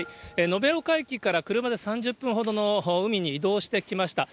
延岡駅から車で３０分ほどの海に移動してきました。